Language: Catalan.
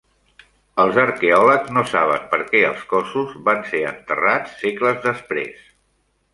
Els arqueòlegs no saben per què els cossos van ser enterrats segles després.